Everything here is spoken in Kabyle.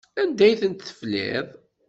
Anda ay tent-tefliḍ?